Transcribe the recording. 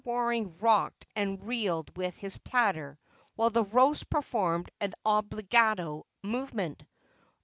Waring rocked and reeled with his platter, while the roast performed an obligato movement.